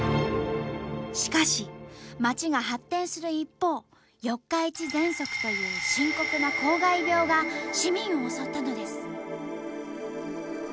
しかし街が発展する一方「四日市ぜんそく」という深刻な公害病が市民を襲ったのです。